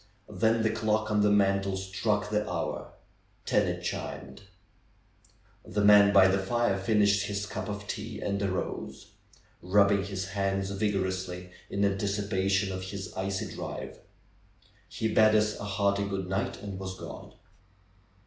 Then the clock on the mantle struck the hour. Ten it chimed. The nrian by the fire finished his cup of tea and arose, rubbing his hands vigorously in anticipation of his icy drive. He bade us a hearty '^Good night!" and was gone.